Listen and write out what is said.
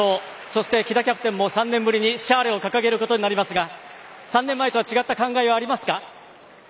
そして、喜田キャプテンも３年ぶりに、シャーレを掲げることになりますが３年前とは違った感慨はありますか？